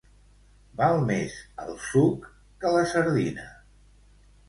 Val més el suc que la sardina.